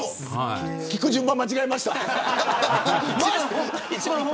聞く順番、間違えました。